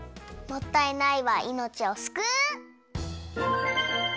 「もったいない」はいのちをすくう！